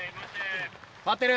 回ってる。